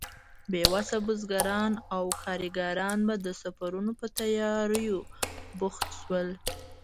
بې وسه بزګران او کارګران به د سفرونو په تيارو بوخت شول.